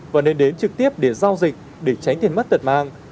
và nên đến trực tiếp để giao dịch để tránh tiền mất tật mang